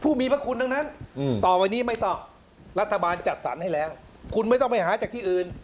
มีพระคุณทั้งนั้นต่อไปนี้ไม่ต้องรัฐบาลจัดสรรให้แล้วคุณไม่ต้องไปหาจากที่อื่น